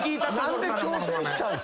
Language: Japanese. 何で挑戦したんすか。